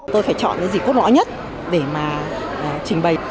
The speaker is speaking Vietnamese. tôi phải chọn cái gì có rõ nhất để mà trình bày